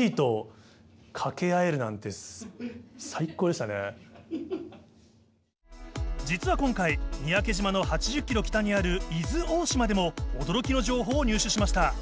でもね実は今回三宅島の８０キロ北にある伊豆大島でも驚きの情報を入手しました。